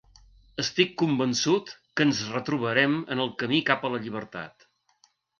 Estic convençut que ens retrobarem en el camí cap la llibertat.